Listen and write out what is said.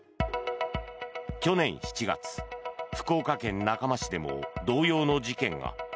去年７月、福岡県中間市でも同様の事件が。